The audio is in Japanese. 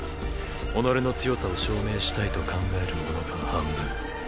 己の強さを証明したいと考える者が半分。